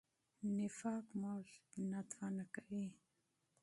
نفاق موږ کمزوري کوي.